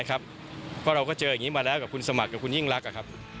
เพราะเราก็เจออย่างนี้มาแล้วกับคุณสมัครกับคุณยิ่งรัก